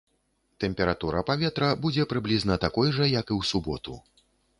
Тэмпература паветра будзе прыблізна такой жа, як і ў суботу.